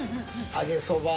揚げそば。